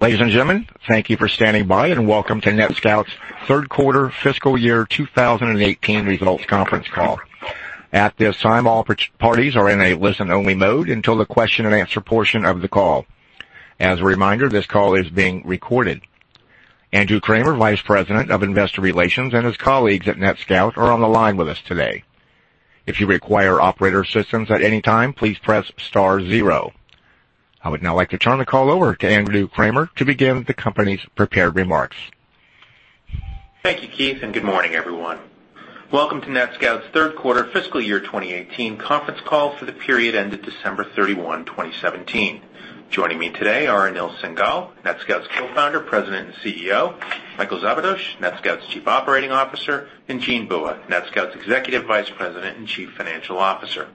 Ladies and gentlemen, thank you for standing by, and welcome to NetScout's third quarter fiscal year 2018 results conference call. At this time, all parties are in a listen-only mode until the question and answer portion of the call. As a reminder, this call is being recorded. Andrew Kramer, Vice President, Investor Relations, and his colleagues at NetScout are on the line with us today. If you require operator assistance at any time, please press star zero. I would now like to turn the call over to Andrew Kramer to begin the company's prepared remarks. Thank you, Keith, and good morning, everyone. Welcome to NetScout's third quarter fiscal year 2018 conference call for the period ended December 31, 2017. Joining me today are Anil Singhal, NetScout's Co-founder, President, and CEO; Michael Szabados, NetScout's Chief Operating Officer; and Jean Bua, NetScout's Executive Vice President and Chief Financial Officer.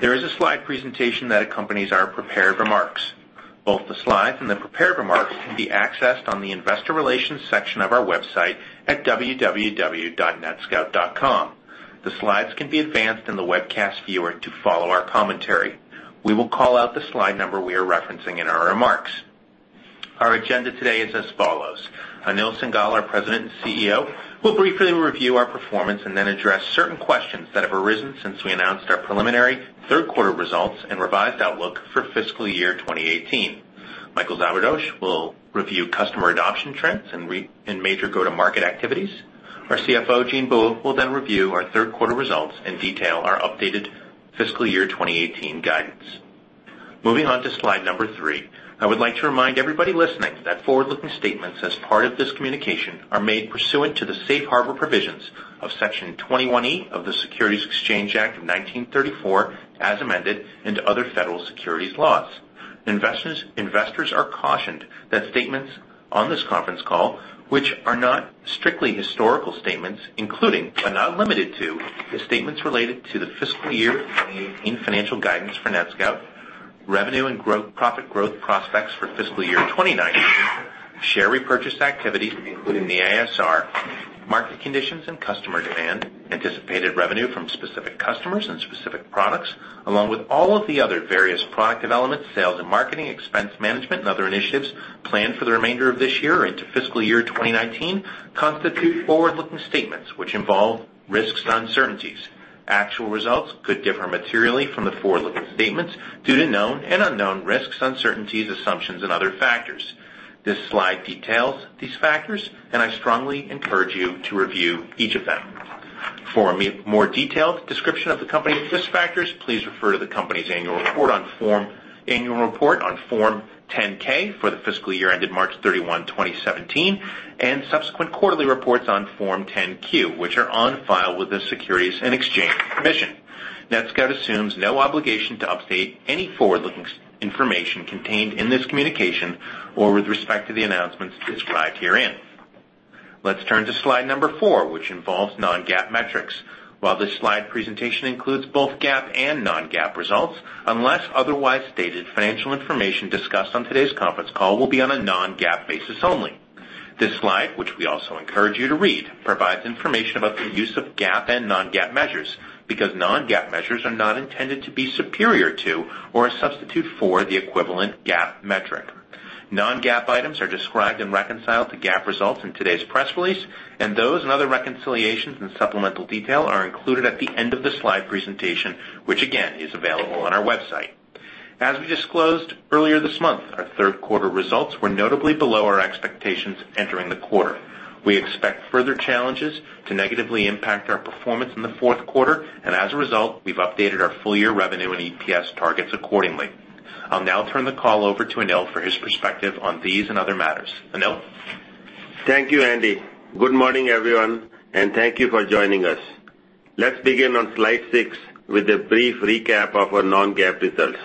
There is a slide presentation that accompanies our prepared remarks. Both the slides and the prepared remarks can be accessed on the investor relations section of our website at www.netscout.com. The slides can be advanced in the webcast viewer to follow our commentary. We will call out the slide number we are referencing in our remarks. Our agenda today is as follows. Anil Singhal, our President and CEO, will briefly review our performance and then address certain questions that have arisen since we announced our preliminary third-quarter results and revised outlook for fiscal year 2018. Michael Szabados will review customer adoption trends and major go-to-market activities. Our CFO, Jean Bua, will then review our third-quarter results and detail our updated fiscal year 2018 guidance. Moving on to slide number three, I would like to remind everybody listening that forward-looking statements as part of this communication are made pursuant to the Safe Harbor provisions of Section 21E of the Securities Exchange Act of 1934, as amended, and to other federal securities laws. Investors are cautioned that statements on this conference call which are not strictly historical statements, including but not limited to the statements related to the fiscal year 2018 financial guidance for NetScout, revenue and profit growth prospects for fiscal year 2019, share repurchase activities, including the ASR, market conditions and customer demand, anticipated revenue from specific customers and specific products, along with all of the other various product developments, sales and marketing expense management, and other initiatives planned for the remainder of this year or into fiscal year 2019, constitute forward-looking statements, which involve risks and uncertainties. Actual results could differ materially from the forward-looking statements due to known and unknown risks, uncertainties, assumptions, and other factors. This slide details these factors, and I strongly encourage you to review each of them. For a more detailed description of the company's risk factors, please refer to the company's annual report on Form 10-K for the fiscal year ended March 31, 2017, and subsequent quarterly reports on Form 10-Q, which are on file with the Securities and Exchange Commission. NetScout assumes no obligation to update any forward-looking information contained in this communication or with respect to the announcements described herein. Let's turn to slide number four, which involves non-GAAP metrics. While this slide presentation includes both GAAP and non-GAAP results, unless otherwise stated, financial information discussed on today's conference call will be on a non-GAAP basis only. This slide, which we also encourage you to read, provides information about the use of GAAP and non-GAAP measures because non-GAAP measures are not intended to be superior to or a substitute for the equivalent GAAP metric. Non-GAAP items are described and reconciled to GAAP results in today's press release. Those and other reconciliations and supplemental detail are included at the end of the slide presentation, which again, is available on our website. As we disclosed earlier this month, our third-quarter results were notably below our expectations entering the quarter. We expect further challenges to negatively impact our performance in the fourth quarter. As a result, we've updated our full-year revenue and EPS targets accordingly. I'll now turn the call over to Anil for his perspective on these and other matters. Anil? Thank you, Andy. Good morning, everyone. Thank you for joining us. Let's begin on slide six with a brief recap of our non-GAAP results.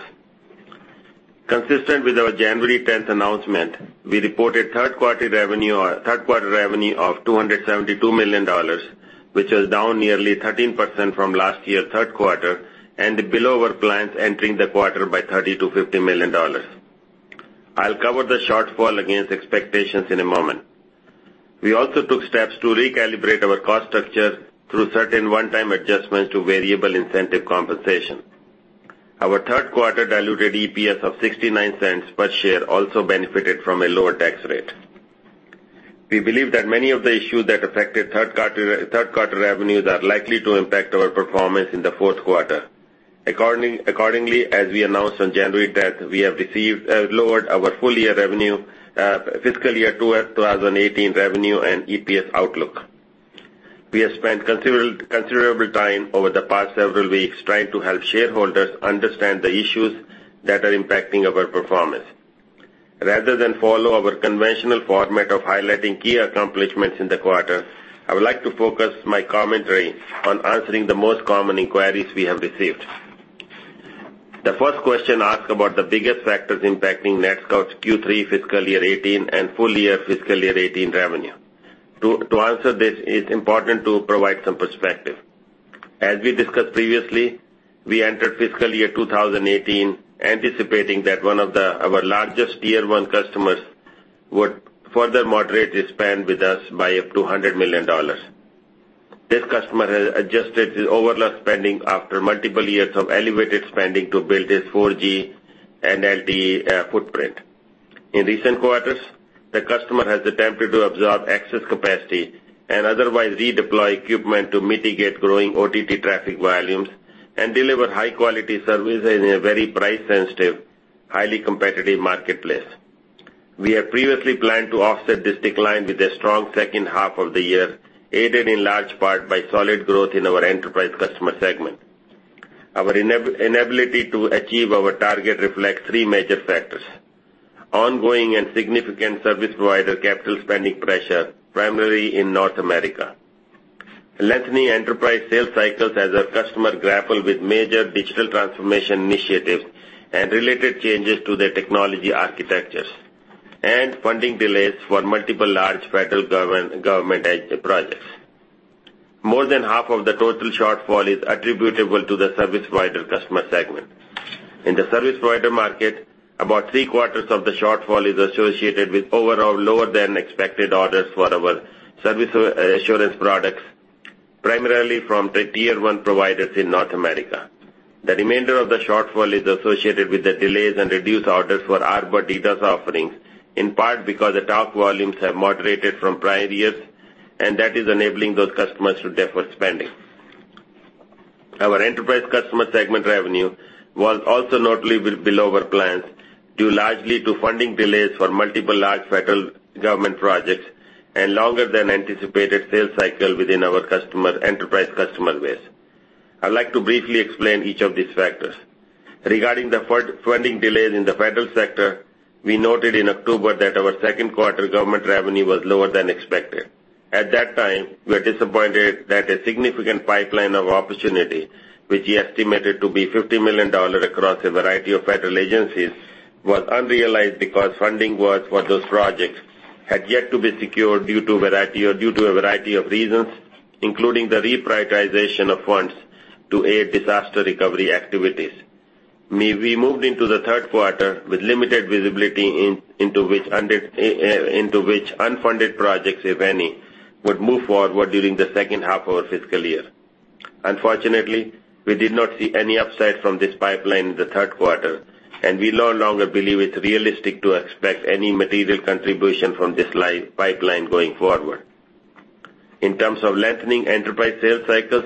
Consistent with our January 10th announcement, we reported third-quarter revenue of $272 million, which was down nearly 13% from last year's third quarter and below our plans entering the quarter by $30 million-$50 million. I'll cover the shortfall against expectations in a moment. We also took steps to recalibrate our cost structure through certain one-time adjustments to variable incentive compensation. Our third-quarter diluted EPS of $0.69 per share also benefited from a lower tax rate. We believe that many of the issues that affected third-quarter revenues are likely to impact our performance in the fourth quarter. Accordingly, as we announced on January 10th, we have lowered our full-year fiscal year 2018 revenue and EPS outlook. We have spent considerable time over the past several weeks trying to help shareholders understand the issues that are impacting our performance. Rather than follow our conventional format of highlighting key accomplishments in the quarter, I would like to focus my commentary on answering the most common inquiries we have received. The first question asks about the biggest factors impacting NetScout's Q3 fiscal year 2018 and full-year fiscal year 2018 revenue. To answer this, it's important to provide some perspective. As we discussed previously, we entered fiscal year 2018 anticipating that one of our largest tier 1 customers would further moderate their spend with us by up to $100 million. This customer has adjusted his overlap spending after multiple years of elevated spending to build his 4G and LTE footprint. In recent quarters, the customer has attempted to absorb excess capacity and otherwise redeploy equipment to mitigate growing OTT traffic volumes and deliver high-quality services in a very price-sensitive, highly competitive marketplace. We had previously planned to offset this decline with a strong second half of the year, aided in large part by solid growth in our enterprise customer segment. Our inability to achieve our target reflects three major factors. Ongoing and significant service provider capital spending pressure, primarily in North America. Lengthening enterprise sales cycles as our customer grapples with major digital transformation initiatives and related changes to their technology architectures, and funding delays for multiple large federal government agency projects. More than half of the total shortfall is attributable to the service provider customer segment. In the service provider market, about three-quarters of the shortfall is associated with overall lower than expected orders for our service assurance products, primarily from the tier 1 providers in North America. The remainder of the shortfall is associated with the delays and reduced orders for Arbor DDoS offerings, in part because the top volumes have moderated from prior years, and that is enabling those customers to defer spending. Our enterprise customer segment revenue was also notably below our plans, due largely to funding delays for multiple large federal government projects and longer than anticipated sales cycle within our enterprise customer base. I'd like to briefly explain each of these factors. Regarding the funding delays in the federal sector, we noted in October that our second quarter government revenue was lower than expected. At that time, we were disappointed that a significant pipeline of opportunity, which we estimated to be $50 million across a variety of federal agencies, was unrealized because funding for those projects had yet to be secured due to a variety of reasons, including the reprioritization of funds to aid disaster recovery activities. We moved into the third quarter with limited visibility into which unfunded projects, if any, would move forward during the second half of our fiscal year. Unfortunately, we did not see any upside from this pipeline in the third quarter, and we no longer believe it's realistic to expect any material contribution from this pipeline going forward. In terms of lengthening enterprise sales cycles,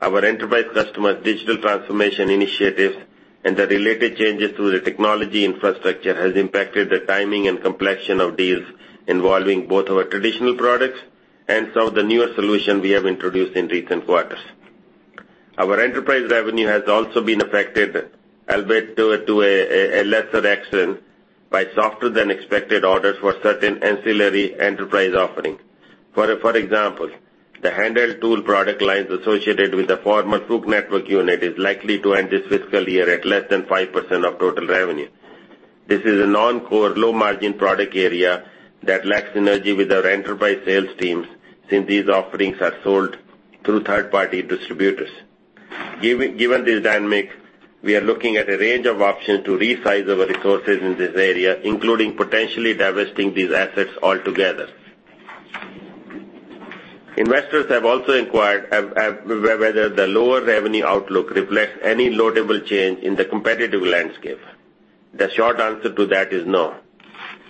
our enterprise customers' digital transformation initiatives and the related changes to the technology infrastructure has impacted the timing and complexion of deals involving both our traditional products and some of the newer solutions we have introduced in recent quarters. Our enterprise revenue has also been affected, albeit to a lesser extent, by softer than expected orders for certain ancillary enterprise offerings. For example, the handheld tool product lines associated with the former Fluke Networks unit is likely to end this fiscal year at less than 5% of total revenue. This is a non-core, low-margin product area that lacks synergy with our enterprise sales teams, since these offerings are sold through third-party distributors. Given this dynamic, we are looking at a range of options to resize our resources in this area, including potentially divesting these assets altogether. Investors have also inquired whether the lower revenue outlook reflects any notable change in the competitive landscape. The short answer to that is no.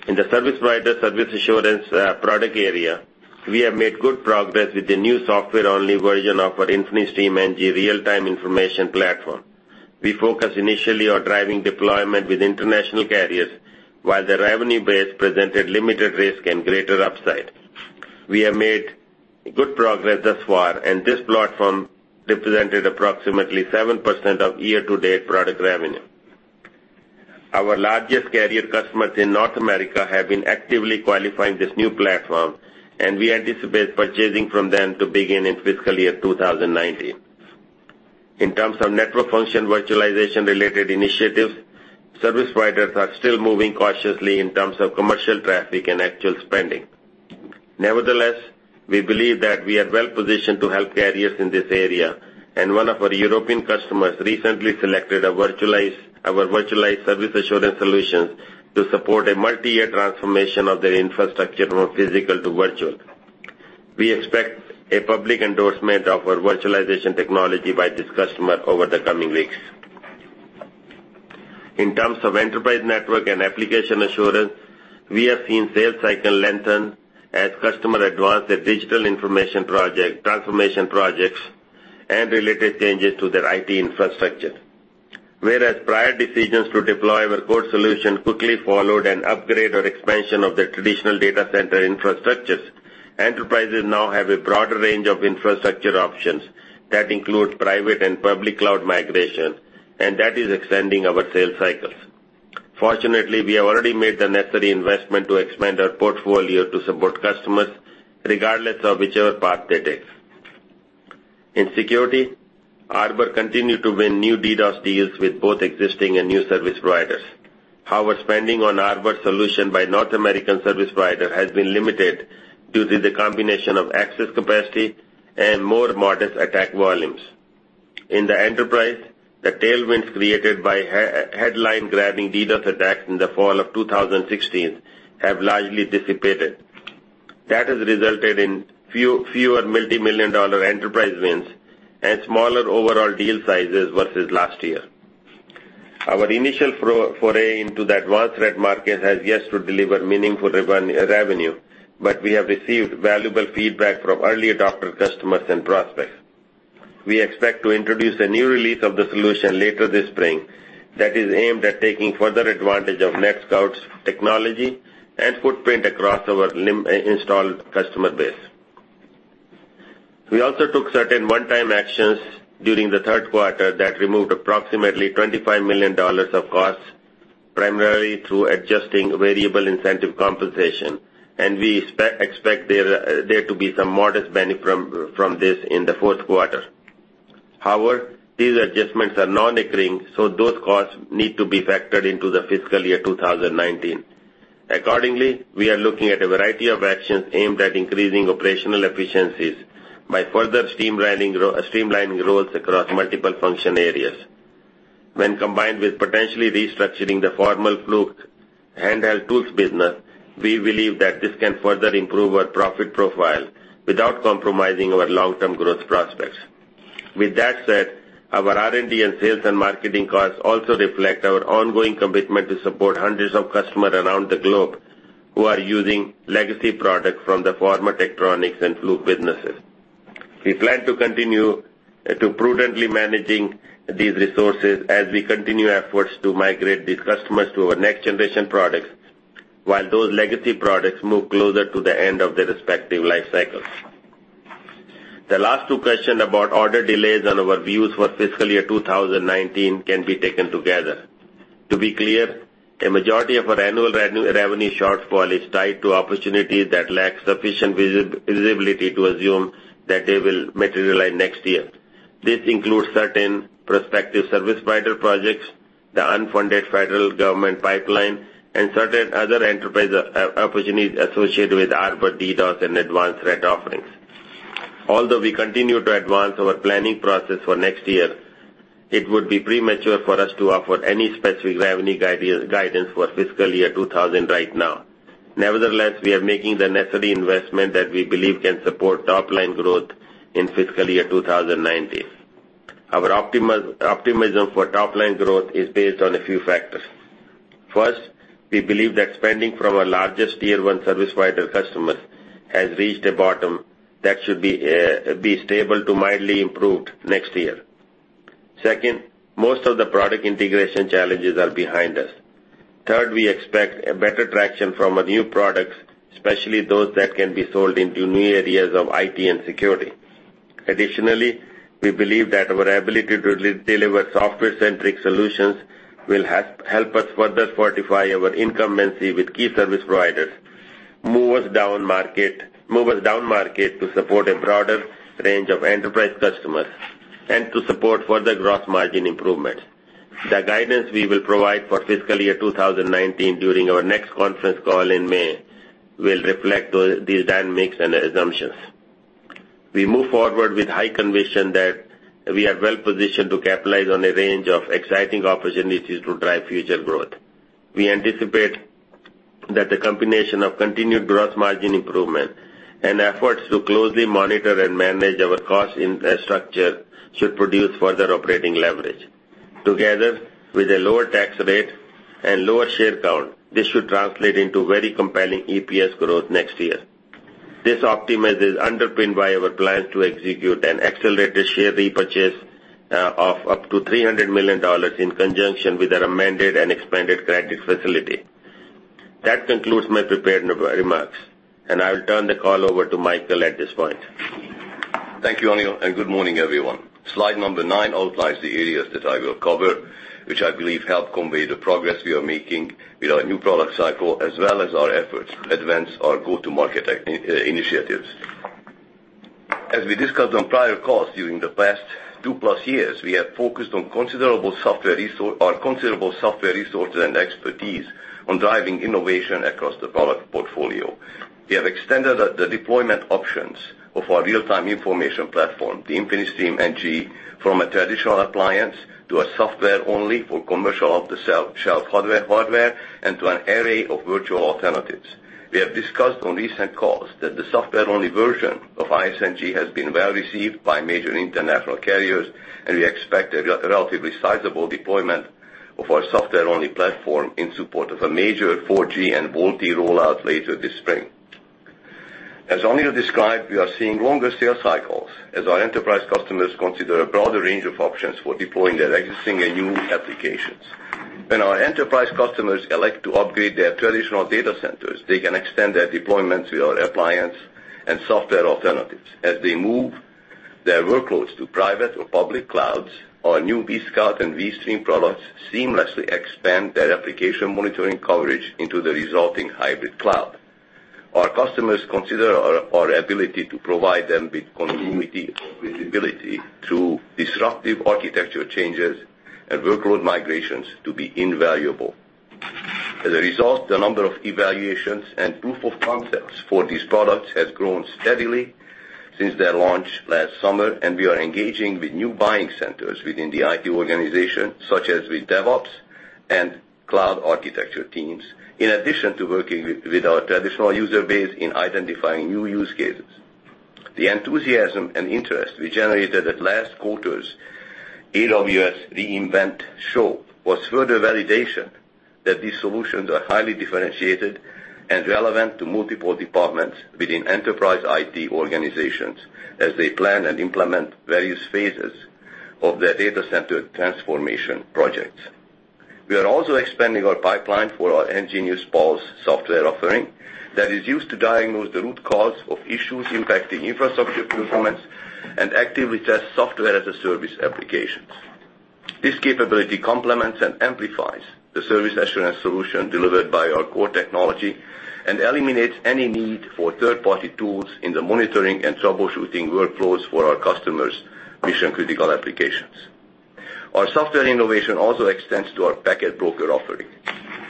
In the service provider service assurance product area, we have made good progress with the new software-only version of our InfiniStreamNG real-time information platform. We focused initially on driving deployment with international carriers, while the revenue base presented limited risk and greater upside. We have made good progress thus far, and this platform represented approximately 7% of year-to-date product revenue. Our largest carrier customers in North America have been actively qualifying this new platform, and we anticipate purchasing from them to begin in fiscal year 2019. In terms of network function virtualization-related initiatives, service providers are still moving cautiously in terms of commercial traffic and actual spending. Nevertheless, we believe that we are well-positioned to help carriers in this area, and one of our European customers recently selected our virtualized service assurance solutions to support a multi-year transformation of their infrastructure from physical to virtual. We expect a public endorsement of our virtualization technology by this customer over the coming weeks. In terms of enterprise network and application assurance, we have seen sales cycles lengthen as customers advance their digital transformation projects and related changes to their IT infrastructure. Whereas prior decisions to deploy our core solution quickly followed an upgrade or expansion of their traditional data center infrastructures, enterprises now have a broader range of infrastructure options that include private and public cloud migration, and that is extending our sales cycles. Fortunately, we have already made the necessary investment to expand our portfolio to support customers regardless of whichever path they take. In security, Arbor continued to win new DDoS deals with both existing and new service providers. However, spending on Arbor solution by North American service providers has been limited due to the combination of excess capacity and more modest attack volumes. In the enterprise, the tailwinds created by headline-grabbing DDoS attacks in the fall of 2016 have largely dissipated. That has resulted in fewer multimillion-dollar enterprise wins and smaller overall deal sizes versus last year. Our initial foray into the Advanced Threat market has yet to deliver meaningful revenue, but we have received valuable feedback from early adopter customers and prospects. We expect to introduce a new release of the solution later this spring that is aimed at taking further advantage of NetScout's technology and footprint across our installed customer base. We also took certain one-time actions during the third quarter that removed approximately $25 million of costs, primarily through adjusting variable incentive compensation, and we expect there to be some modest benefit from this in the fourth quarter. However, these adjustments are non-recurring, so those costs need to be factored into the fiscal year 2019. Accordingly, we are looking at a variety of actions aimed at increasing operational efficiencies by further streamlining roles across multiple function areas. When combined with potentially restructuring the former Fluke handheld tools business, we believe that this can further improve our profit profile without compromising our long-term growth prospects. With that said, our R&D and sales and marketing costs also reflect our ongoing commitment to support hundreds of customers around the globe who are using legacy products from the former Tektronix and Fluke businesses. We plan to continue to prudently managing these resources as we continue efforts to migrate these customers to our next-generation products while those legacy products move closer to the end of their respective life cycles. The last two questions about order delays and our views for fiscal year 2019 can be taken together. To be clear, a majority of our annual revenue shortfall is tied to opportunities that lack sufficient visibility to assume that they will materialize next year. This includes certain prospective service provider projects, the unfunded federal government pipeline, and certain other enterprise opportunities associated with Arbor, DDoS, and Advanced Threat offerings. Although we continue to advance our planning process for next year, it would be premature for us to offer any specific revenue guidance for fiscal year 2019 right now. Nevertheless, we are making the necessary investment that we believe can support top-line growth in fiscal year 2019. Our optimism for top-line growth is based on a few factors. First, we believe that spending from our largest tier 1 service provider customers has reached a bottom that should be stable to mildly improved next year. Second, most of the product integration challenges are behind us. Third, we expect better traction from our new products, especially those that can be sold into new areas of IT and security. Additionally, we believe that our ability to deliver software-centric solutions will help us further fortify our incumbency with key service providers, move us down market to support a broader range of enterprise customers, and to support further gross margin improvements. The guidance we will provide for fiscal year 2019 during our next conference call in May will reflect these dynamics and assumptions. We move forward with high conviction that we are well-positioned to capitalize on a range of exciting opportunities to drive future growth. We anticipate that the combination of continued gross margin improvement and efforts to closely monitor and manage our cost structure should produce further operating leverage. Together with a lower tax rate and lower share count, this should translate into very compelling EPS growth next year. This optimism is underpinned by our plans to execute an accelerated share repurchase of up to $300 million in conjunction with our amended and expanded credit facility. That concludes my prepared remarks, and I will turn the call over to Michael at this point. Thank you, Anil, and good morning, everyone. Slide number nine outlines the areas that I will cover, which I believe help convey the progress we are making with our new product cycle, as well as our efforts to advance our go-to-market initiatives. As we discussed on prior calls, during the past two-plus years, we have focused our considerable software resources and expertise on driving innovation across the product portfolio. We have extended the deployment options of our real-time information platform, the InfiniStreamNG, from a traditional appliance to a software-only for commercial off-the-shelf hardware, and to an array of virtual alternatives. We have discussed on recent calls that the software-only version of ISNG has been well-received by major international carriers, and we expect a relatively sizable deployment of our software-only platform in support of a major 4G and VoLTE rollout later this spring. As Anil described, we are seeing longer sales cycles as our enterprise customers consider a broader range of options for deploying their existing and new applications. When our enterprise customers elect to upgrade their traditional data centers, they can extend their deployments with our appliance and software alternatives. As they move their workloads to private or public clouds, our new vSCOUT and vSTREAM products seamlessly expand their application monitoring coverage into the resulting hybrid cloud. Our customers consider our ability to provide them with continuity of visibility through disruptive architecture changes and workload migrations to be invaluable. As a result, the number of evaluations and proof of concepts for these products has grown steadily since their launch last summer. We are engaging with new buying centers within the IT organization, such as with DevOps and cloud architecture teams, in addition to working with our traditional user base in identifying new use cases. The enthusiasm and interest we generated at last quarter's AWS re:Invent show was further validation that these solutions are highly differentiated and relevant to multiple departments within enterprise IT organizations as they plan and implement various phases of their data center transformation projects. We are also expanding our pipeline for our nGeniusPULSE software offering that is used to diagnose the root cause of issues impacting infrastructure performance and actively test software-as-a-service applications. This capability complements and amplifies the service assurance solution delivered by our core technology and eliminates any need for third-party tools in the monitoring and troubleshooting workflows for our customers' mission-critical applications. Our software innovation also extends to our packet broker offering.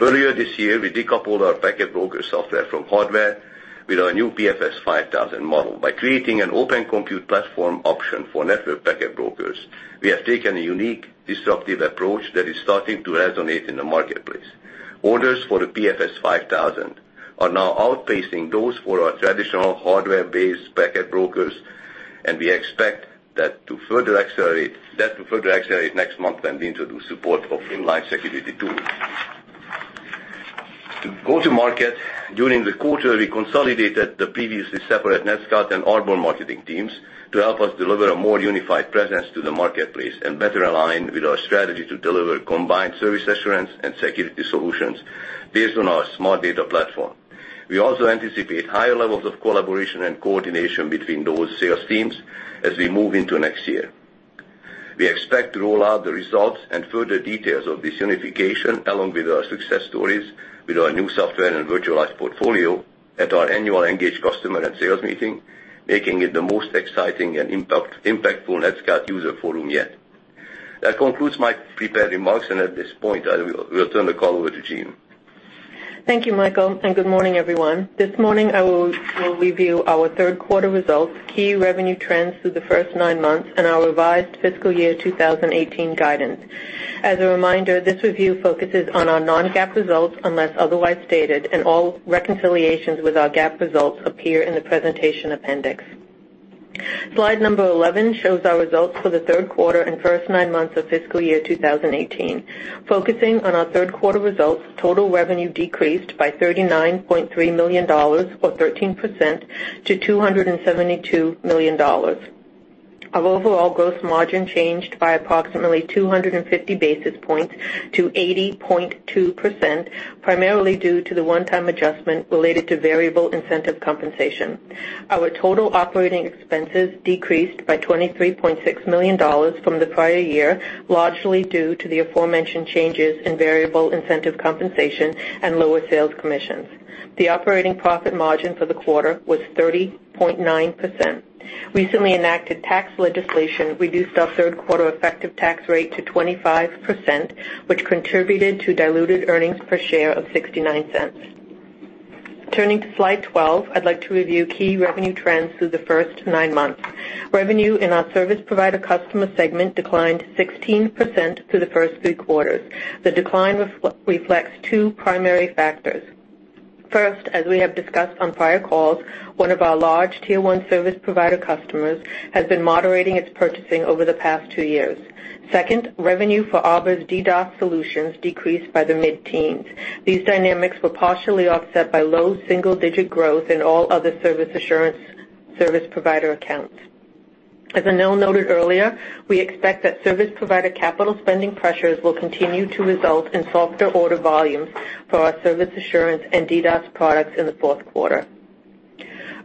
Earlier this year, we decoupled our packet broker software from hardware with our new PFS 5000 model. By creating an open compute platform option for network packet brokers, we have taken a unique, disruptive approach that is starting to resonate in the marketplace. Orders for the PFS 5000 are now outpacing those for our traditional hardware-based packet brokers. We expect that to further accelerate next month when we introduce support of inline security tools. To go to market, during the quarter, we consolidated the previously separate NETSCOUT and Arbor marketing teams to help us deliver a more unified presence to the marketplace and better align with our strategy to deliver combined service assurance and security solutions based on our Smart Data platform. We also anticipate higher levels of collaboration and coordination between those sales teams as we move into next year. We expect to roll out the results and further details of this unification, along with our success stories with our new software and virtualized portfolio at our annual Engage customer and sales meeting, making it the most exciting and impactful NETSCOUT user forum yet. That concludes my prepared remarks. At this point, I will turn the call over to Jean. Thank you, Michael, and good morning, everyone. This morning, I will review our third quarter results, key revenue trends through the first nine months, and our revised fiscal year 2018 guidance. As a reminder, this review focuses on our non-GAAP results unless otherwise stated, and all reconciliations with our GAAP results appear in the presentation appendix. Slide number 11 shows our results for the third quarter and first nine months of fiscal year 2018. Focusing on our third quarter results, total revenue decreased by $39.3 million, or 13%, to $272 million. Our overall gross margin changed by approximately 250 basis points to 80.2%, primarily due to the one-time adjustment related to variable incentive compensation. Our total operating expenses decreased by $23.6 million from the prior year, largely due to the aforementioned changes in variable incentive compensation and lower sales commissions. The operating profit margin for the quarter was 30.9%. Recently enacted tax legislation reduced our third quarter effective tax rate to 25%, which contributed to diluted earnings per share of $0.69. Turning to slide 12, I'd like to review key revenue trends through the first nine months. Revenue in our service provider customer segment declined 16% through the first three quarters. The decline reflects two primary factors. First, as we have discussed on prior calls, one of our large tier 1 service provider customers has been moderating its purchasing over the past two years. Second, revenue for Arbor's DDoS solutions decreased by the mid-teens. These dynamics were partially offset by low single-digit growth in all other service assurance service provider accounts. As Anil noted earlier, we expect that service provider capital spending pressures will continue to result in softer order volumes for our service assurance and DDoS products in the fourth quarter.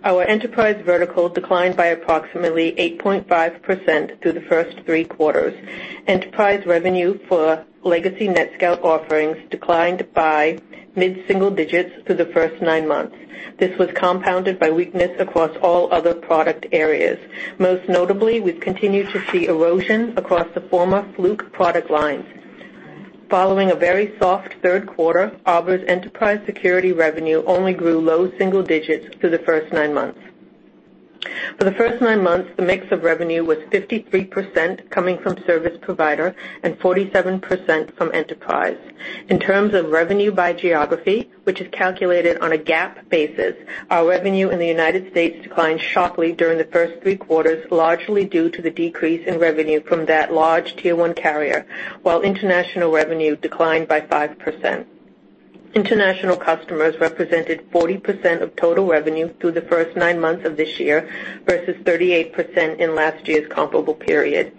Our enterprise vertical declined by approximately 8.5% through the first three quarters. Enterprise revenue for legacy NetScout offerings declined by mid-single digits through the first nine months. This was compounded by weakness across all other product areas. Most notably, we've continued to see erosion across the former Fluke product lines. Following a very soft third quarter, Arbor's enterprise security revenue only grew low single digits through the first nine months. For the first nine months, the mix of revenue was 53% coming from service provider and 47% from enterprise. In terms of revenue by geography, which is calculated on a GAAP basis, our revenue in the U.S. declined sharply during the first three quarters, largely due to the decrease in revenue from that large tier 1 carrier, while international revenue declined by 5%. International customers represented 40% of total revenue through the first nine months of this year versus 38% in last year's comparable period.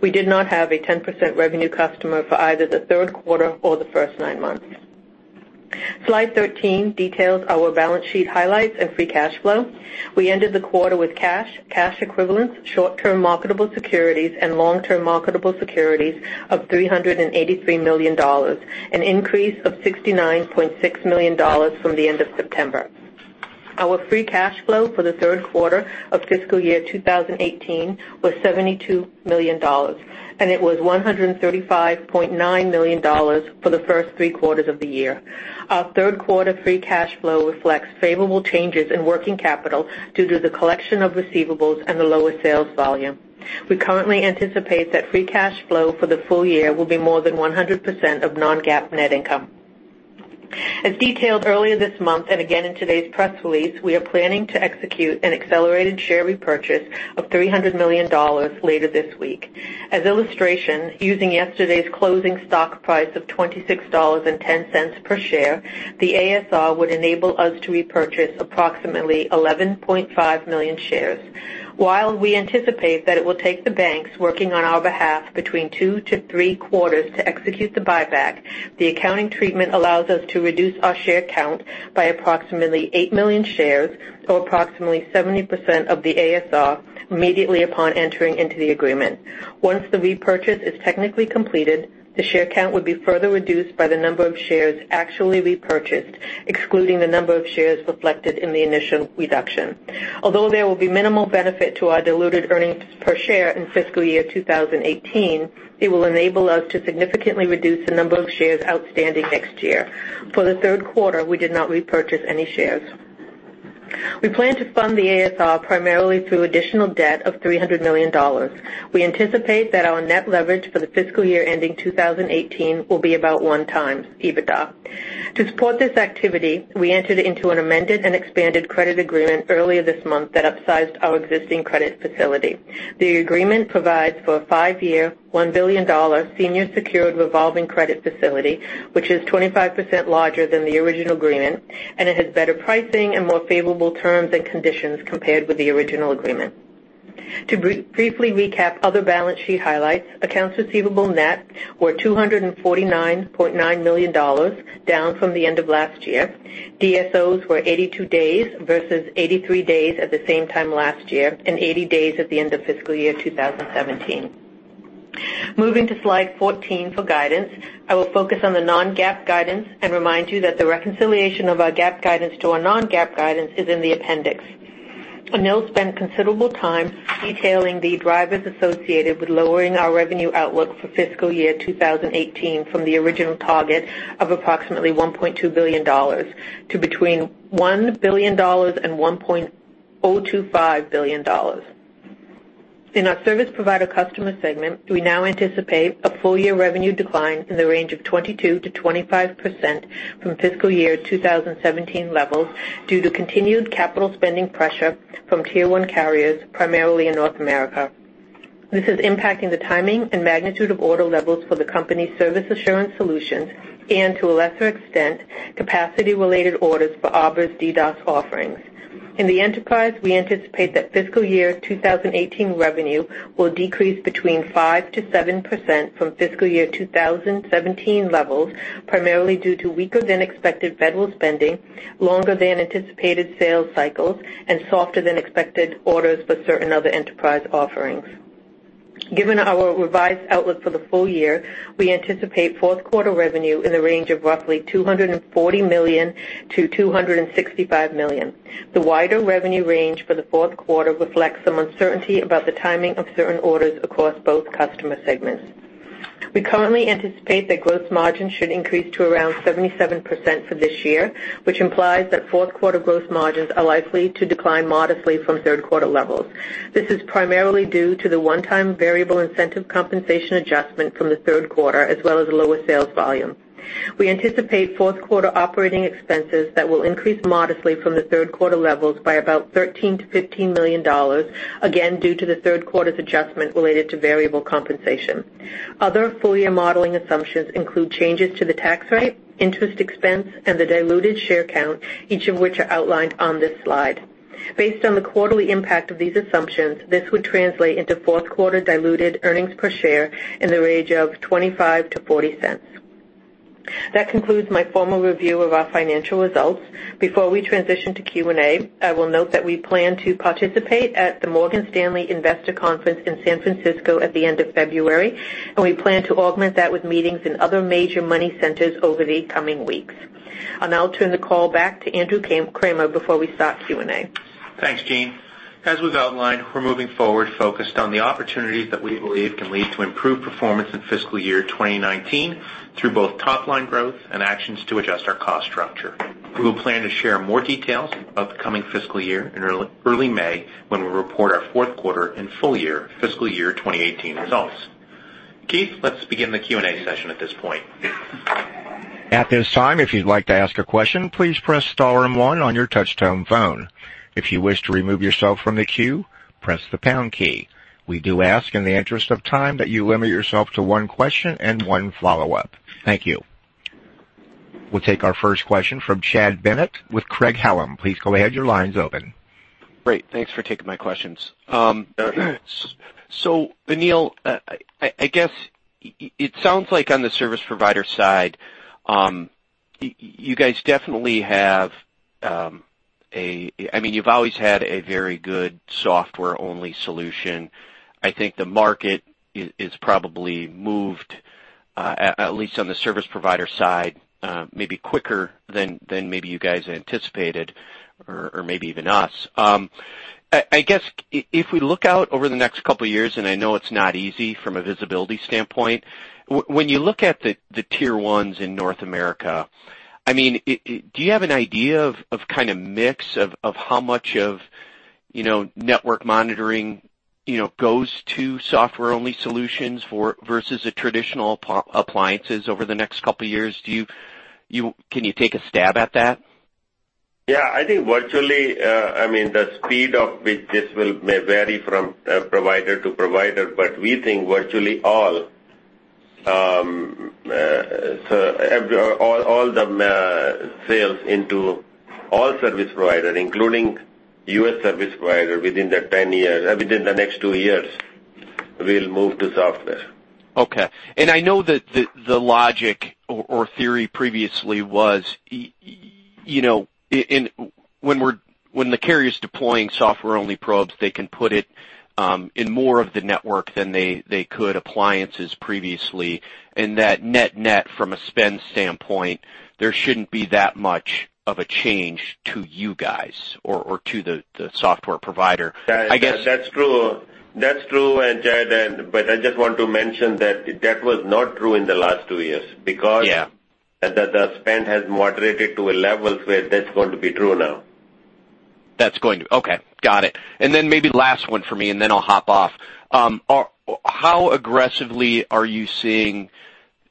We did not have a 10% revenue customer for either the third quarter or the first nine months. Slide 13 details our balance sheet highlights and free cash flow. We ended the quarter with cash equivalents, short-term marketable securities, and long-term marketable securities of $383 million, an increase of $69.6 million from the end of September. Our free cash flow for the third quarter of fiscal year 2018 was $72 million, and it was $135.9 million for the first three quarters of the year. Our third quarter free cash flow reflects favorable changes in working capital due to the collection of receivables and the lower sales volume. We currently anticipate that free cash flow for the full year will be more than 100% of non-GAAP net income. As detailed earlier this month and again in today's press release, we are planning to execute an accelerated share repurchase of $300 million later this week. As illustration, using yesterday's closing stock price of $26.10 per share, the ASR would enable us to repurchase approximately 11.5 million shares. While we anticipate that it will take the banks working on our behalf between two to three quarters to execute the buyback, the accounting treatment allows us to reduce our share count by approximately eight million shares, or approximately 70% of the ASR, immediately upon entering into the agreement. Once the repurchase is technically completed, the share count would be further reduced by the number of shares actually repurchased, excluding the number of shares reflected in the initial reduction. Although there will be minimal benefit to our diluted earnings per share in fiscal year 2018, it will enable us to significantly reduce the number of shares outstanding next year. For the third quarter, we did not repurchase any shares. We plan to fund the ASR primarily through additional debt of $300 million. We anticipate that our net leverage for the fiscal year ending 2018 will be about one time EBITDA. To support this activity, we entered into an amended and expanded credit agreement earlier this month that upsized our existing credit facility. The agreement provides for a five-year, $1 billion senior secured revolving credit facility, which is 25% larger than the original agreement, and it has better pricing and more favorable terms and conditions compared with the original agreement. To briefly recap other balance sheet highlights, accounts receivable net were $249.9 million, down from the end of last year. DSOs were 82 days versus 83 days at the same time last year, and 80 days at the end of fiscal year 2017. Moving to slide 14 for guidance, I will focus on the non-GAAP guidance and remind you that the reconciliation of our GAAP guidance to our non-GAAP guidance is in the appendix. Anil spent considerable time detailing the drivers associated with lowering our revenue outlook for fiscal year 2018 from the original target of approximately $1.2 billion, to between $1 billion and $1.025 billion. In our service provider customer segment, we now anticipate a full-year revenue decline in the range of 22%-25% from fiscal year 2017 levels due to continued capital spending pressure from Tier 1 carriers, primarily in North America. This is impacting the timing and magnitude of order levels for the company's service assurance solutions and, to a lesser extent, capacity-related orders for Arbor's DDoS offerings. In the Enterprise, we anticipate that fiscal year 2018 revenue will decrease between 5%-7% from fiscal year 2017 levels, primarily due to weaker than expected federal spending, longer than anticipated sales cycles, and softer than expected orders for certain other enterprise offerings. Given our revised outlook for the full year, we anticipate fourth quarter revenue in the range of roughly $240 million-$265 million. The wider revenue range for the fourth quarter reflects some uncertainty about the timing of certain orders across both customer segments. We currently anticipate that gross margin should increase to around 77% for this year, which implies that fourth quarter gross margins are likely to decline modestly from third quarter levels. This is primarily due to the one-time variable incentive compensation adjustment from the third quarter, as well as lower sales volume. We anticipate fourth quarter operating expenses that will increase modestly from the third quarter levels by about $13 million-$15 million, again, due to the third quarter's adjustment related to variable compensation. Other full year modeling assumptions include changes to the tax rate, interest expense, and the diluted share count, each of which are outlined on this slide. Based on the quarterly impact of these assumptions, this would translate into fourth quarter diluted earnings per share in the range of $0.25-$0.40. That concludes my formal review of our financial results. Before we transition to Q&A, I will note that we plan to participate at the Morgan Stanley Investor Conference in San Francisco at the end of February, and we plan to augment that with meetings in other major money centers over the coming weeks. I'll now turn the call back to Andrew Kramer before we start Q&A. Thanks, Jean. As we've outlined, we're moving forward focused on the opportunities that we believe can lead to improved performance in fiscal year 2019 through both top-line growth and actions to adjust our cost structure. We will plan to share more details about the coming fiscal year in early May when we report our fourth quarter and full year fiscal year 2018 results. Keith, let's begin the Q&A session at this point. At this time, if you'd like to ask a question, please press star and one on your touch-tone phone. If you wish to remove yourself from the queue, press the pound key. We do ask, in the interest of time, that you limit yourself to one question and one follow-up. Thank you. We'll take our first question from Chad Bennett with Craig-Hallum. Please go ahead. Your line's open. Great. Thanks for taking my questions. Anil, I mean, you've always had a very good software-only solution. I think the market is probably moved at least on the service provider side, maybe quicker than maybe you guys anticipated, or maybe even us. I guess, if we look out over the next couple of years, and I know it's not easy from a visibility standpoint, when you look at the tier 1s in North America, do you have an idea of mix of how much of network monitoring goes to software-only solutions versus a traditional appliances over the next couple of years? Can you take a stab at that? Yeah, I think virtually the speed of which this may vary from provider to provider, but we think virtually all the sales into all service provider, including U.S. service provider within the next two years, will move to software. Okay. I know that the logic or theory previously was, when the carrier's deploying software-only probes, they can put it in more of the network than they could appliances previously, and that net net, from a spend standpoint, there shouldn't be that much of a change to you guys or to the software provider. That's true. That's true, Chad. I just want to mention that that was not true in the last two years. Yeah the spend has moderated to a level where that's going to be true now. Okay. Got it. Maybe last one for me, and then I'll hop off. How aggressively are you seeing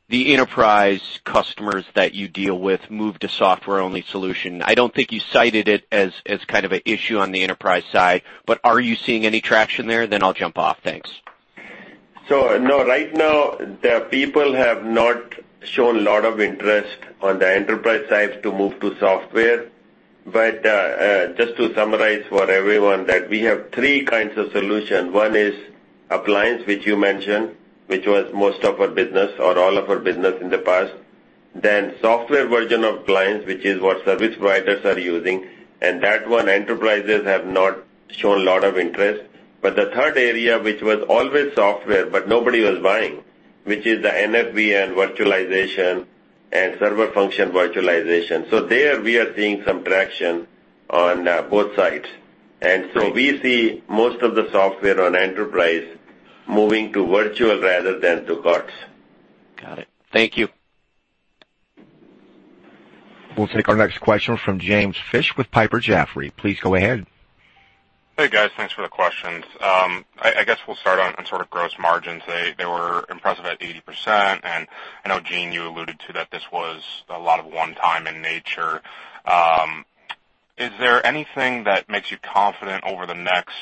the enterprise customers that you deal with move to software-only solution? I don't think you cited it as kind of an issue on the enterprise side, but are you seeing any traction there? I'll jump off. Thanks. No, right now, the people have not shown a lot of interest on the enterprise side to move to software. Just to summarize for everyone, that we have three kinds of solution. One is appliance, which you mentioned, which was most of our business or all of our business in the past. Software version of appliance, which is what service providers are using, and that one, enterprises have not shown a lot of interest. The third area, which was always software, but nobody was buying, which is the NFV and virtualization and service function virtualization. There, we are seeing some traction on both sides. We see most of the software on enterprise moving to virtual rather than to COTS. Got it. Thank you. We'll take our next question from James Fish with Piper Jaffray. Please go ahead. Hey, guys. Thanks for the questions. I guess we'll start on sort of gross margins. They were impressive at 80%, and I know, Jean, you alluded to that this was a lot of one time in nature. Is there anything that makes you confident over the next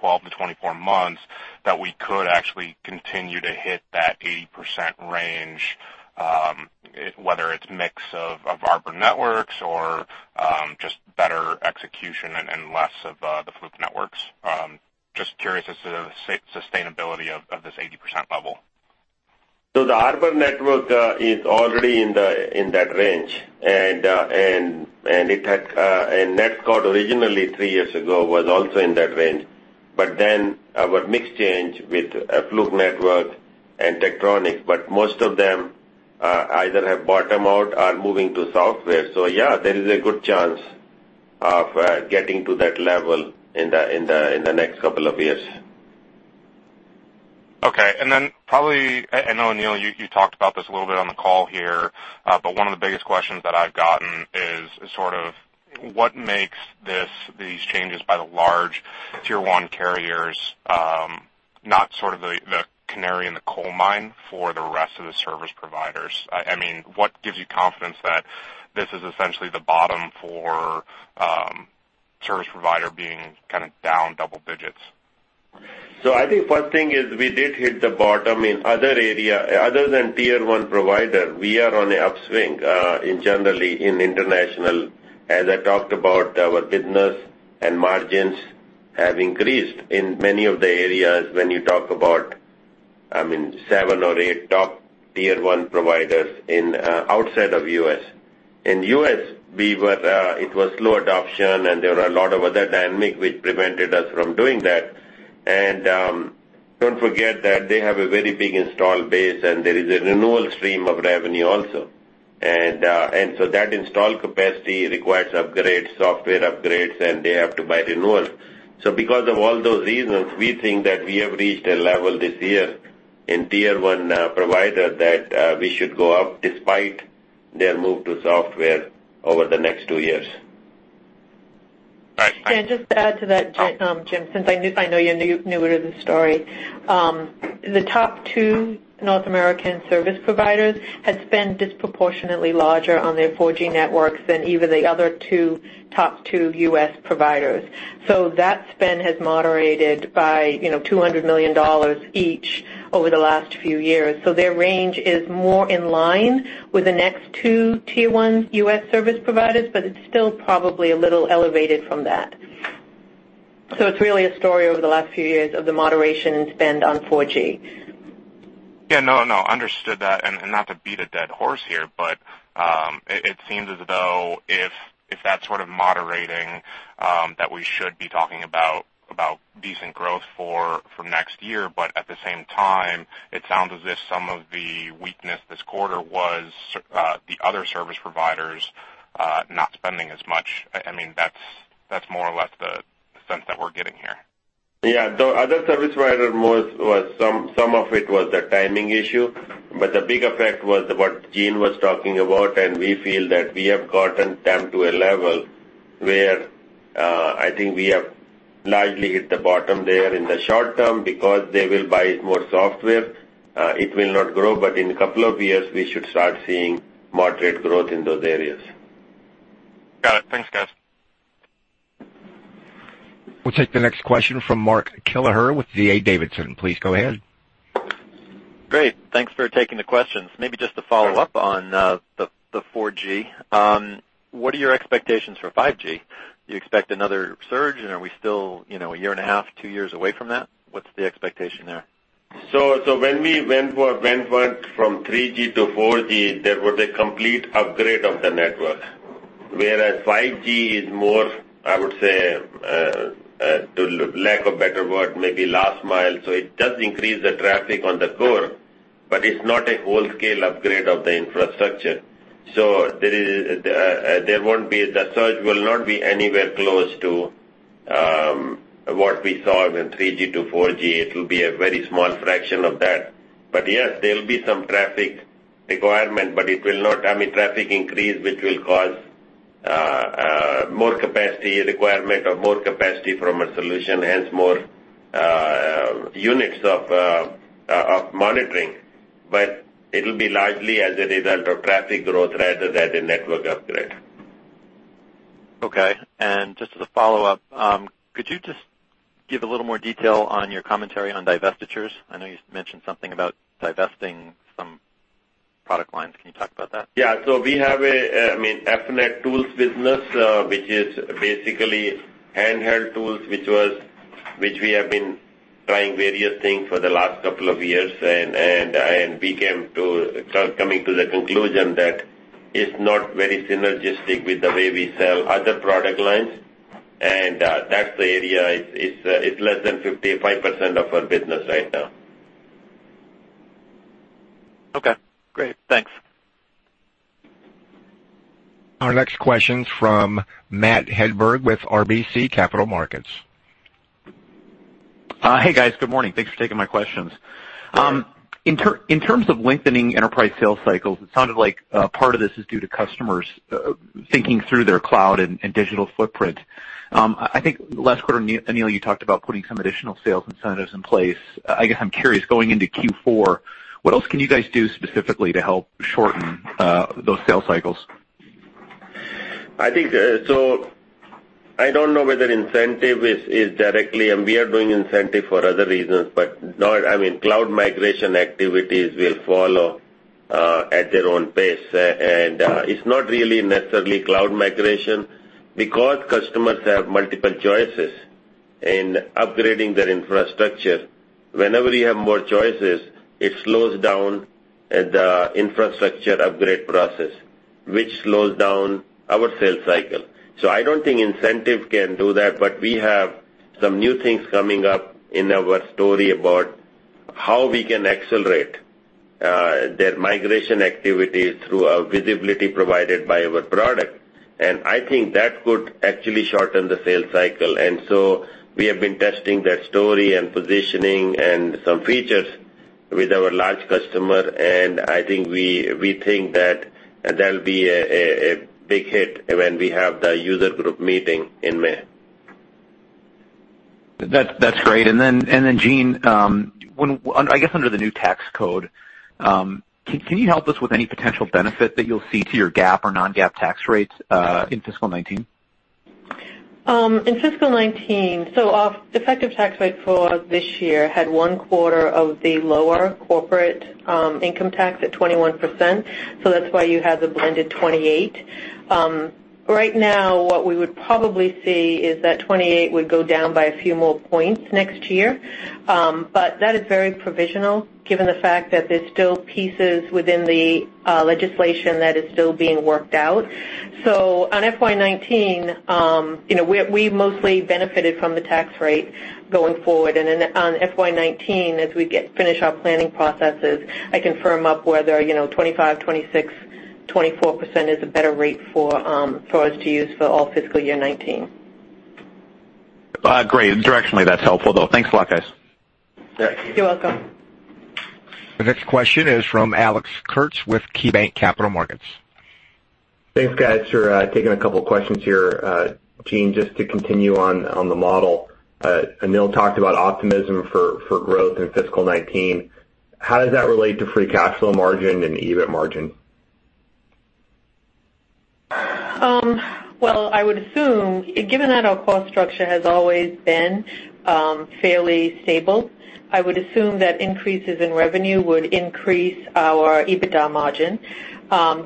12 to 24 months that we could actually continue to hit that 80% range, whether it's mix of Arbor Networks or just better execution and less of the Fluke Networks? Just curious as to the sustainability of this 80% level. The Arbor Networks is already in that range. NetScout originally 3 years ago, was also in that range. Our mix change with Fluke Networks and Tektronix. Most of them either have bottom out or moving to software. Yeah, there is a good chance of getting to that level in the next couple of years. Okay. Probably, I know, Anil, you talked about this a little bit on the call here, one of the biggest questions that I've gotten is sort of what makes these changes by the large tier 1 carriers, not sort of the canary in the coal mine for the rest of the service providers. What gives you confidence that this is essentially the bottom for service provider being kind of down double digits? I think one thing is we did hit the bottom in other area. Other than tier 1 provider, we are on the upswing, in generally in international, as I talked about our business and margins have increased in many of the areas when you talk about seven or eight top tier 1 providers outside of U.S. In U.S., it was slow adoption, there were a lot of other dynamic which prevented us from doing that. Don't forget that they have a very big install base, there is a renewal stream of revenue also. That install capacity requires upgrades, software upgrades, and they have to buy renewals. Because of all those reasons, we think that we have reached a level this year in tier 1 provider that we should go up despite their move to software over the next two years. Got you. Just to add to that, Jim, since I know you're newer to the story. The top 2 North American service providers had spent disproportionately larger on their 4G networks than even the other 2 top 2 U.S. providers. That spend has moderated by $200 million each over the last few years. Their range is more in line with the next 2 tier 1 U.S. service providers, but it's still probably a little elevated from that. It's really a story over the last few years of the moderation in spend on 4G. Yeah. No, understood that, and not to beat a dead horse here, but It seems as though if that's sort of moderating, that we should be talking about decent growth for next year. At the same time, it sounds as if some of the weakness this quarter was the other service providers not spending as much. That's more or less the sense that we're getting here. Yeah. The other service provider, some of it was the timing issue. The big effect was what Jean was talking about. We feel that we have gotten them to a level where I think we have largely hit the bottom there in the short term because they will buy more software. It will not grow, in a couple of years, we should start seeing moderate growth in those areas. Got it. Thanks, guys. We'll take the next question from Mark Kelleher with D.A. Davidson. Please go ahead. Thanks for taking the questions. Maybe just to follow up on the 4G. What are your expectations for 5G? Do you expect another surge? Are we still a year and a half, two years away from that? What's the expectation there? When we went from 3G to 4G, there was a complete upgrade of the network. Whereas 5G is more, I would say, for lack of better word, maybe last mile. It does increase the traffic on the core, but it's not a whole scale upgrade of the infrastructure. The surge will not be anywhere close to what we saw in 3G to 4G. It will be a very small fraction of that. Yes, there'll be some traffic requirement, but it will not, I mean, traffic increase, which will cause more capacity requirement or more capacity from a solution, hence more units of monitoring. It'll be largely as a result of traffic growth rather than a network upgrade. Okay. Just as a follow-up, could you just give a little more detail on your commentary on divestitures? I know you mentioned something about divesting some product lines. Can you talk about that? Yeah. We have a Fluke Networks tools business, which is basically handheld tools, which we have been trying various things for the last couple of years, and we came to the conclusion that it's not very synergistic with the way we sell other product lines, and that's the area. It's less than 5% of our business right now. Okay, great. Thanks. Our next question's from Matt Hedberg with RBC Capital Markets. Hi. Guys, good morning. Thanks for taking my questions. Sure. In terms of lengthening enterprise sales cycles, it sounded like a part of this is due to customers thinking through their cloud and digital footprint. I think last quarter, Anil, you talked about putting some additional sales incentives in place. I guess I'm curious, going into Q4, what else can you guys do specifically to help shorten those sales cycles? I don't know whether incentive is directly, and we are doing incentive for other reasons, but cloud migration activities will follow at their own pace. It's not really necessarily cloud migration because customers have multiple choices in upgrading their infrastructure. Whenever you have more choices, it slows down the infrastructure upgrade process, which slows down our sales cycle. I don't think incentive can do that, but we have some new things coming up in our story about how we can accelerate their migration activities through our visibility provided by our product. I think that could actually shorten the sales cycle. We have been testing that story and positioning and some features with our large customer. I think we think that that'll be a big hit when we have the user group meeting in May. That's great. Jean, I guess under the new tax code, can you help us with any potential benefit that you'll see to your GAAP or non-GAAP tax rates in fiscal 2019? In fiscal 2019, our effective tax rate for this year had one quarter of the lower corporate income tax at 21%, so that's why you have the blended 28. Right now, what we would probably see is that 28 would go down by a few more points next year. That is very provisional given the fact that there's still pieces within the legislation that is still being worked out. On FY 2019, we mostly benefited from the tax rate going forward. On FY 2019, as we finish our planning processes, I confirm up whether 25%, 26%, 24% is a better rate for us to use for all fiscal year 2019. Great. Directionally, that's helpful, though. Thanks a lot, guys. You're welcome. The next question is from Alex Kurtz with KeyBanc Capital Markets. Thanks, guys, for taking a couple questions here. Jean, just to continue on the model. Anil talked about optimism for growth in fiscal 2019. How does that relate to free cash flow margin and EBIT margin? Well, given that our cost structure has always been fairly stable, I would assume that increases in revenue would increase our EBITDA margin.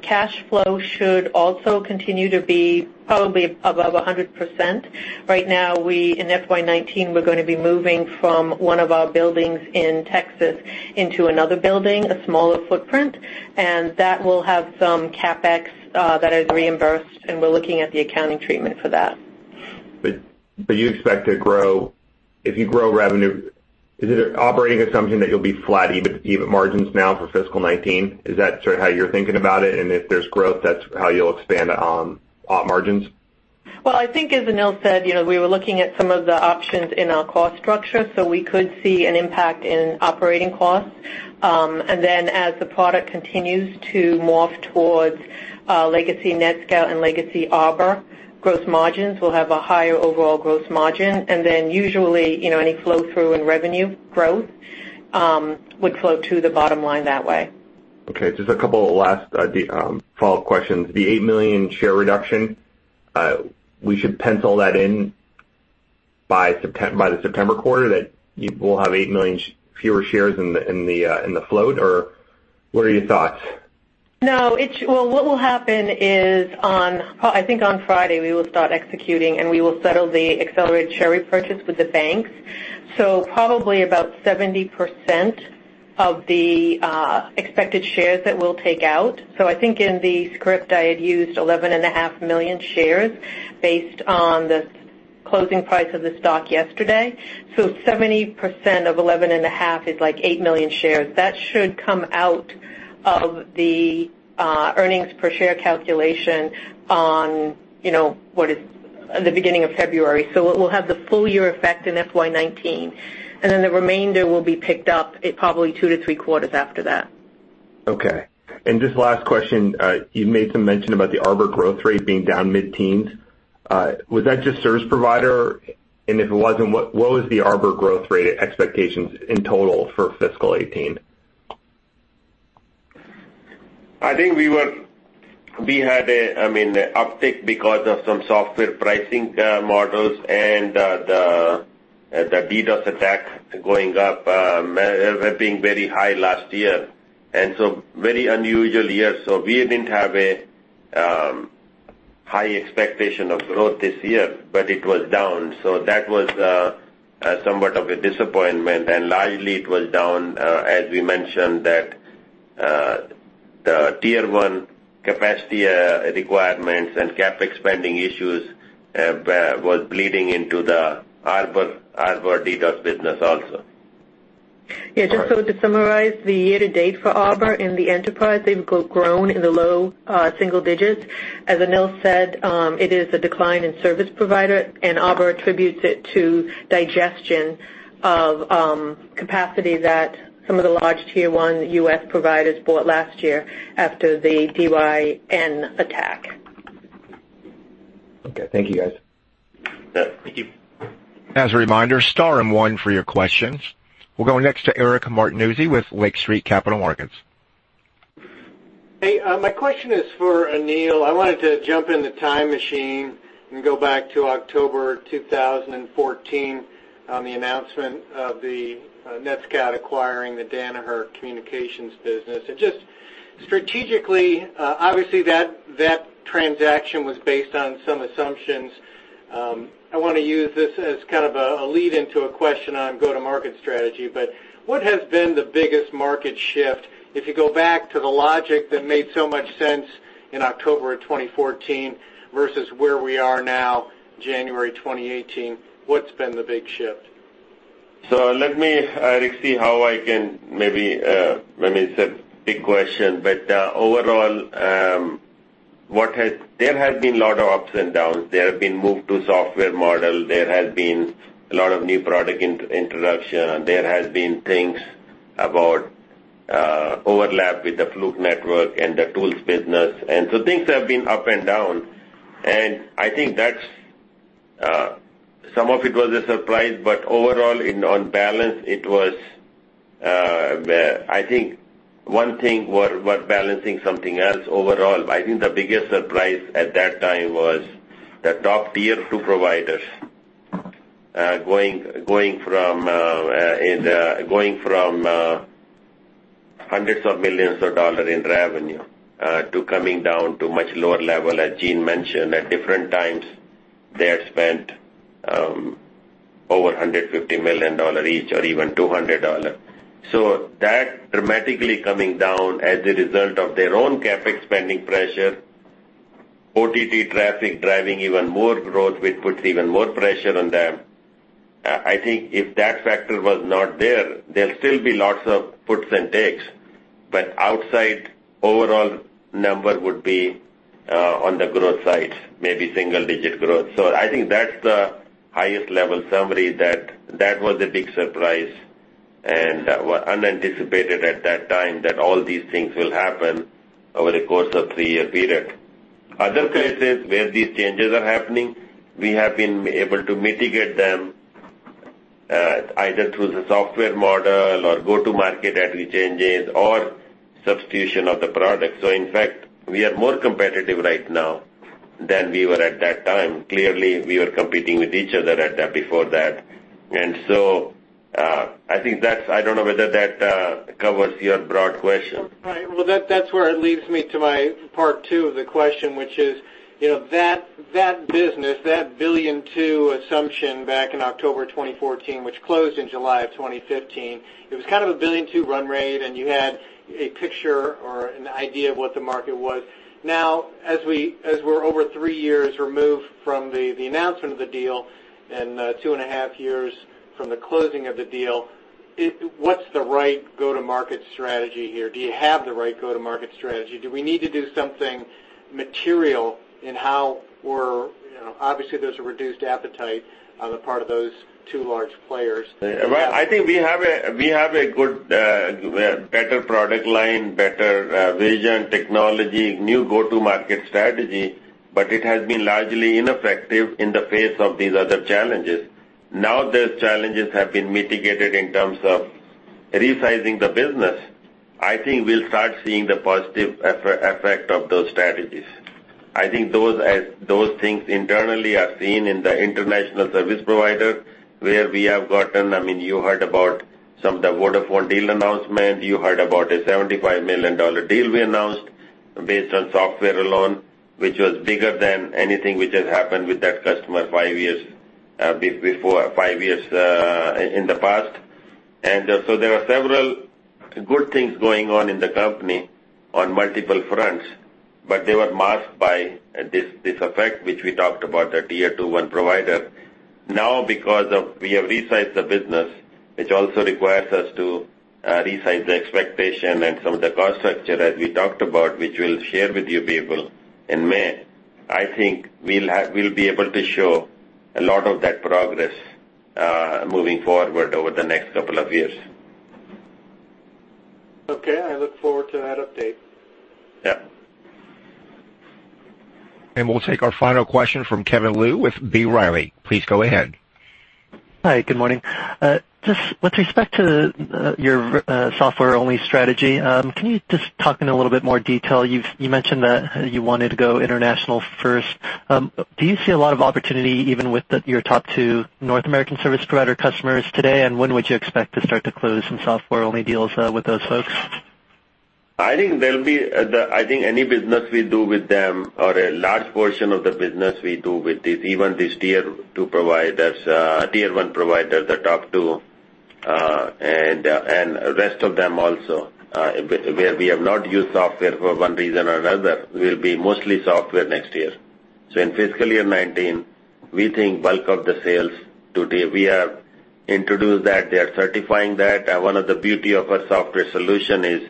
Cash flow should also continue to be probably above 100%. Right now, in FY 2019, we're going to be moving from one of our buildings in Texas into another building, a smaller footprint, and that will have some CapEx that is reimbursed, and we're looking at the accounting treatment for that. You expect to grow. If you grow revenue, is it an operating assumption that you'll be flat even margins now for fiscal 2019? Is that sort of how you're thinking about it? If there's growth, that's how you'll expand on op margins? I think as Anil said, we were looking at some of the options in our cost structure, we could see an impact in operating costs. As the product continues to morph towards legacy NetScout and legacy Arbor, gross margins will have a higher overall gross margin. Usually, any flow-through in revenue growth, would flow to the bottom line that way. Okay. Just a couple of last follow-up questions. The 8 million share reduction, we should pencil that in by the September quarter, that you will have 8 million fewer shares in the float, or what are your thoughts? No. What will happen is, I think on Friday, we will start executing, and we will settle the accelerated share repurchase with the banks. Probably about 70% of the expected shares that we'll take out. I think in the script, I had used 11.5 million shares based on the closing price of the stock yesterday. 70% of 11.5 is like 8 million shares. That should come out of the earnings per share calculation on the beginning of February. It will have the full year effect in FY 2019, and then the remainder will be picked up probably two to three quarters after that. Okay. Just last question. You made some mention about the Arbor growth rate being down mid-teens. Was that just service provider? If it wasn't, what was the Arbor growth rate expectations in total for fiscal year 2018? I think we had an uptick because of some software pricing models and the DDoS attack going up, being very high last year. Very unusual year. We didn't have a high expectation of growth this year, but it was down. That was somewhat of a disappointment. Largely, it was down, as we mentioned, that the tier 1 capacity requirements and CapEx spending issues was bleeding into the Arbor DDoS business also. Yeah. Just so to summarize the year to date for Arbor in the enterprise, they've grown in the low single digits. As Anil said, it is a decline in service provider, and Arbor attributes it to digestion of capacity that some of the large tier 1 U.S. providers bought last year after the Dyn attack. Okay. Thank you, guys. Yeah. Thank you. As a reminder, star and one for your questions. We'll go next to Eric Martinuzzi with Lake Street Capital Markets. Hey. My question is for Anil. I wanted to jump in the time machine and go back to October 2014 on the announcement of the NetScout acquiring the Danaher Communications business. Just strategically, obviously, that transaction was based on some assumptions. I want to use this as kind of a lead into a question on go-to-market strategy, what has been the biggest market shift if you go back to the logic that made so much sense in October of 2014 versus where we are now, January 2018, what's been the big shift? Let me see how I can. Let me say, big question, overall, there have been a lot of ups and downs. There have been move to software model. There has been a lot of new product introduction. There has been things about overlap with the Fluke Networks and the tools business. Things have been up and down, and I think some of it was a surprise, overall on balance, I think one thing worth balancing something else overall, I think the biggest surprise at that time was the top tier 2 providers going from hundreds of millions of dollars in revenue, to coming down to much lower level. As Jean mentioned, at different times, they had spent over $150 million each or even $200. That dramatically coming down as a result of their own CapEx spending pressure, OTT traffic driving even more growth, which puts even more pressure on them. I think if that factor was not there will still be lots of puts and takes, but outside overall number would be on the growth side, maybe single-digit growth. I think that's the highest level summary that was a big surprise and unanticipated at that time that all these things will happen over a course of three-year period. Other places where these changes are happening, we have been able to mitigate them, either through the software model or go-to-market strategy changes or substitution of the product. In fact, we are more competitive right now than we were at that time. Clearly, we were competing with each other before that. I don't know whether that covers your broad question. That's where it leads me to my part 2 of the question, which is, that business, that $2 billion assumption back in October 2014, which closed in July of 2015, it was kind of a $2 billion run rate, and you had a picture or an idea of what the market was. Now, as we're over 3 years removed from the announcement of the deal and 2 and a half years from the closing of the deal What's the right go-to-market strategy here? Do you have the right go-to-market strategy? Do we need to do something material in how we're Obviously, there's a reduced appetite on the part of those 2 large players. I think we have a good, better product line, better vision, technology, new go-to-market strategy. It has been largely ineffective in the face of these other challenges. Those challenges have been mitigated in terms of resizing the business. I think we'll start seeing the positive effect of those strategies. I think those things internally are seen in the international service provider, where we have gotten, you heard about some of the Vodafone deal announcement. You heard about a $75 million deal we announced based on software alone, which was bigger than anything which has happened with that customer 5 years in the past. There are several good things going on in the company on multiple fronts, but they were masked by this effect, which we talked about, the Tier 1 provider. Now because of we have resized the business, which also requires us to resize the expectation and some of the cost structure, as we talked about, which we'll share with you people in May. I think we'll be able to show a lot of that progress, moving forward over the next couple of years. Okay. I look forward to that update. Yeah. We'll take our final question from Kevin Liu with B. Riley. Please go ahead. Hi, good morning. Just with respect to your software only strategy, can you just talk in a little bit more detail? You mentioned that you wanted to go international first. Do you see a lot of opportunity even with your top 2 North American service provider customers today? When would you expect to start to close some software only deals with those folks? I think any business we do with them or a large portion of the business we do with even these Tier 1 providers, the top 2, and rest of them also, where we have not used software for one reason or another, will be mostly software next year. In fiscal year 2019, we think bulk of the sales to date, we have introduced that, they are certifying that. One of the beauty of our software solution is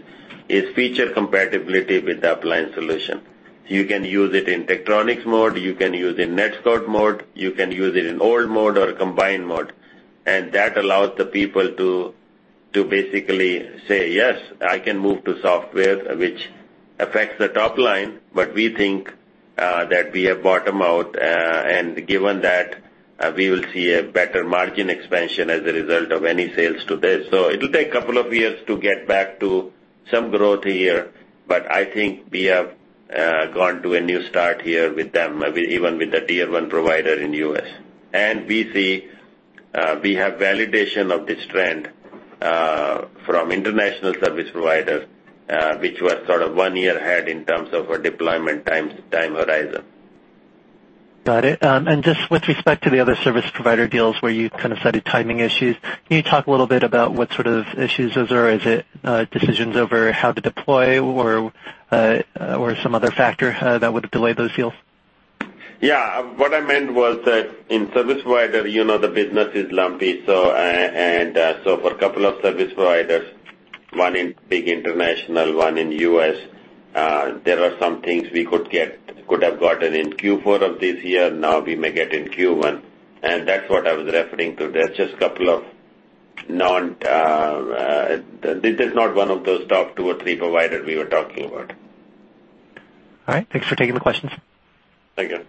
feature compatibility with the appliance solution. You can use it in Tektronix mode, you can use in NetScout mode, you can use it in old mode or combined mode. That allows the people to basically say, "Yes, I can move to software," which affects the top line. We think that we have bottomed out, and given that, we will see a better margin expansion as a result of any sales to this. It will take a couple of years to get back to some growth here, but I think we have gone to a new start here with them, even with the Tier 1 provider in U.S. We see, we have validation of this trend from international service providers, which were sort of one year ahead in terms of a deployment time horizon. Got it. Just with respect to the other service provider deals where you kind of cited timing issues, can you talk a little bit about what sort of issues those are? Is it decisions over how to deploy or some other factor that would delay those deals? Yeah. What I meant was that in service provider, the business is lumpy. For a couple of service providers, one in big international, one in U.S., there are some things we could have gotten in Q4 of this year. Now we may get in Q1, and that's what I was referring to. This is not one of those top 2 or 3 providers we were talking about. All right. Thanks for taking the questions. Thank you.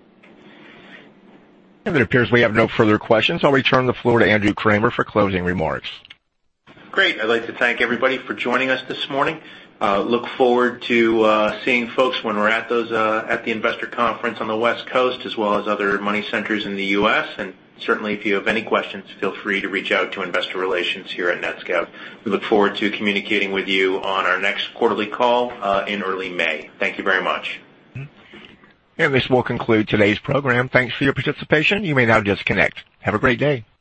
It appears we have no further questions. I'll return the floor to Andrew Kramer for closing remarks. Great. I'd like to thank everybody for joining us this morning. Look forward to seeing folks when we're at the investor conference on the West Coast, as well as other money centers in the U.S. Certainly, if you have any questions, feel free to reach out to investor relations here at NetScout. We look forward to communicating with you on our next quarterly call in early May. Thank you very much. This will conclude today's program. Thanks for your participation. You may now disconnect. Have a great day. Bye.